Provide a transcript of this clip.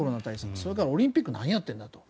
それからオリンピック何やってるんだと。